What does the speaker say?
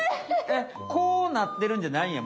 えっこうなってるんじゃないんや。